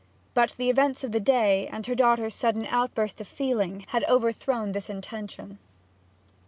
But the events of the day, and her daughter's sudden outburst of feeling, had overthrown this intention.